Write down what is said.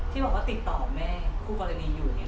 ที่บอกว่าติดต่อแม่ผู้กรณีอยู่อย่างนี้